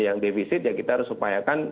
yang defisit ya kita harus upayakan